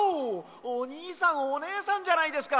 おにいさんおねえさんじゃないですか！